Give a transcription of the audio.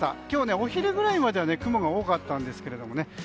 今日はお昼ぐらいまでは雲が多かったんですけれどもね。